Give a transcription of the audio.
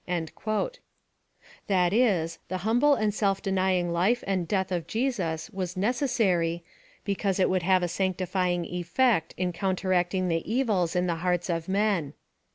"— That is, the humljle and self denying life and death of Jesus was necessary, because it would have a sanctifying etfect in counteracting the evils in the hearts of men.